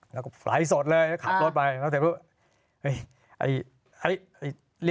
เอ่อถึงบอลไลฟ์สดขับรถไปทั้งคือ